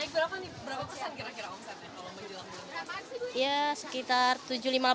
berapa pesan kira kira omsetnya kalau menjelang bulan